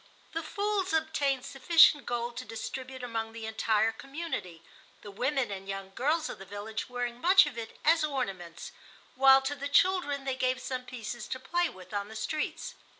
The fools obtained sufficient gold to distribute among the entire community, the women and young girls of the village wearing much of it as ornaments, while to the children they gave some pieces to play with on the streets.